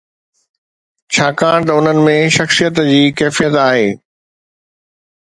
ڇاڪاڻ ته انهن ۾ شخصيت جي ڪيفيت آهي.